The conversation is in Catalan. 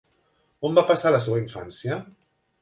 On va passar la seva infància?